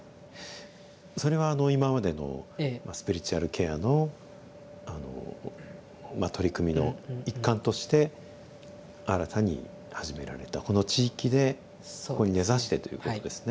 それは今までのスピリチュアルケアの取り組みの一環として新たに始められたこの地域でここに根ざしてということですね。